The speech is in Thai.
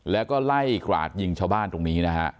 แล้วก็ไล่กราดยิงชาวบ้านตรงนี้นะฮะ